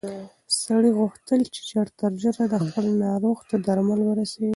سړي غوښتل چې ژر تر ژره خپل ناروغ ته درمل ورسوي.